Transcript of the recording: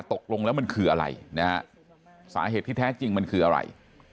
ตกลงแล้วมันคืออะไรนะฮะสาเหตุที่แท้จริงมันคืออะไร